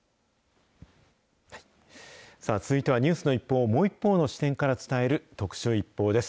さあ続いては、ニュースの一報をもう一方の視点から伝える、特集、ＩＰＰＯＵです。